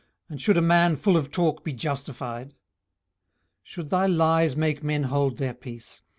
and should a man full of talk be justified? 18:011:003 Should thy lies make men hold their peace?